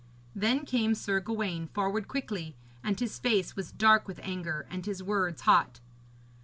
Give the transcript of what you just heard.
Then came Sir Gawaine forward quickly, and his face was dark with anger and his words hot.